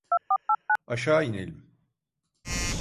Aşağı inelim.